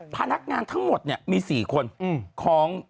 พนักงานทั้งหมดมี๔คน